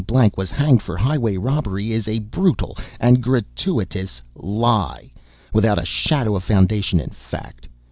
Blank, was hanged for highway robbery, is a brutal and gratuitous LIE, without a shadow of foundation in fact.